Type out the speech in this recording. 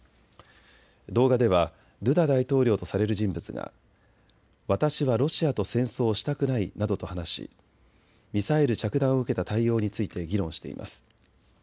動画ではドゥダ大統領とされる人物が私はロシアと戦争をしたくないなどと話しミサイル着弾を受けた対応について議論しています。